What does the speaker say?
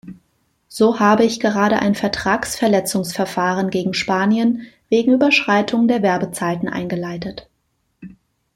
So habe ich gerade ein Vertragsverletzungsverfahren gegen Spanien wegen Überschreitung der Werbezeiten eingeleitet.